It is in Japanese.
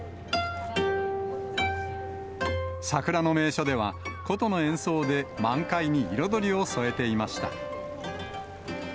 桜の名所では、琴の演奏で満開に彩りを添えていました。